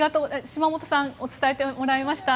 島本さんに伝えてもらいました。